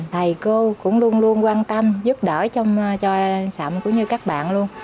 thầy cô cũng luôn luôn quan tâm giúp đỡ cho sậm cũng như các bạn luôn